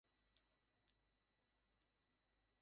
গল্পটা শুরু হয়েছে হীরা ব্যবসাকে কেন্দ্র করে।